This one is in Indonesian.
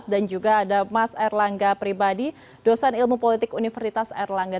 dan juga ada mas erlangga pribadi dosen ilmu politik universitas erlangga